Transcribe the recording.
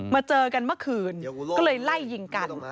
เจอกันเมื่อคืนก็เลยไล่ยิงกัน